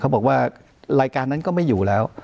บอกว่ารายการนั้นก็ไม่อยู่แล้ว